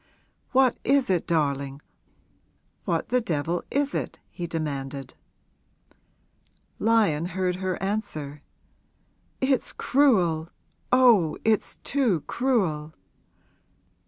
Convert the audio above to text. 'What is it, darling, what the devil is it?' he demanded. Lyon heard her answer. 'It's cruel oh, it's too cruel!'